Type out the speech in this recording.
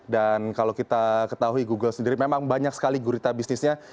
kalau kita ketahui google sendiri memang banyak sekali gurita bisnisnya